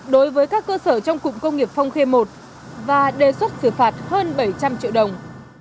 đối với các cơ sở trong cụm công nghiệp phong khê i và đề xuất xử phạt hơn bảy trăm linh triệu đồng